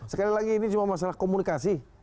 sekali lagi ini cuma masalah komunikasi